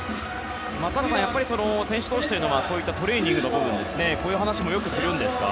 松坂さん、選手同士そういったトレーニングの部分こういう話もよくするんですか？